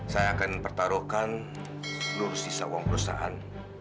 saya akan pertaruhkan seluruh sisa uang perusahaan